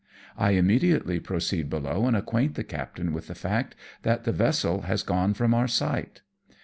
I immediately proceed below and acquaint the captain with the fact that the vessel has gone from our sight.